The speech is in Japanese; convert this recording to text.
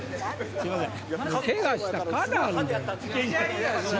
すいません。